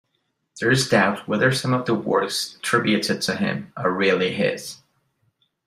There is doubt whether some of the works attributed to him are really his.